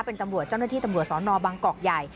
เป็นตำรวจเจ้าหน้าที่ตำรวจสอนอบางกอกใหญ่